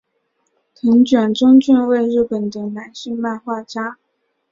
藤卷忠俊为日本的男性漫画家。